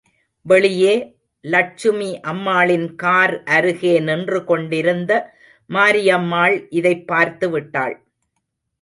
வெளியே லட்சுமி அம்மாளின் கார் அருகே நின்று கொண்டிருந்த மாரியம்மாள் இதைப் பார்த்து விட்டாள்.